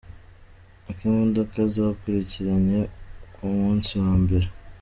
Uko imodoka zakurikiranye ku munsi wa mbere.